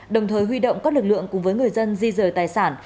đồng thời huy động các lực lượng cùng với người dân di rời tài sản